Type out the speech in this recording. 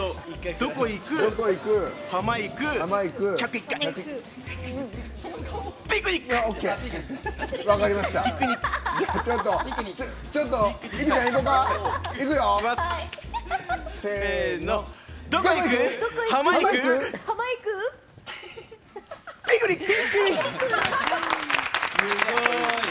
どこいくハマいくピクニック！